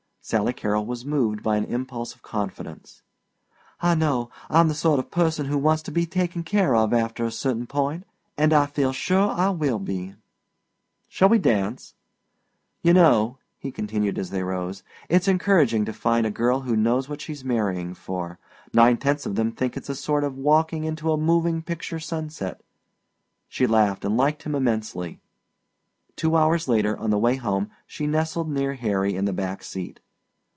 Sally Carrol was moved by an impulse of confidence. "I know. I'm the sort of person who wants to be taken care of after a certain point, and I feel sure I will be." "Shall we dance? You know," he continued as they rose, "it's encouraging to find a girl who knows what she's marrying for. Nine tenths of them think of it as a sort of walking into a moving picture sunset." She laughed and liked him immensely. Two hours later on the way home she nestled near Harry in the back seat.